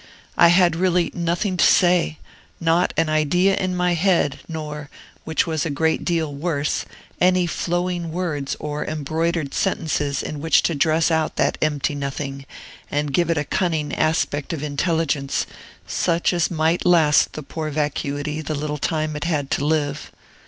I had really nothing to say, not an idea in my head, nor, which was a great deal worse, any flowing words or embroidered sentences in which to dress out that empty Nothing, and give it a cunning aspect of intelligence, such as might last the poor vacuity the little time it had to live.